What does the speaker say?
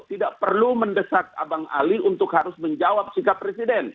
tidak perlu mendesak abang ali untuk harus menjawab sikap presiden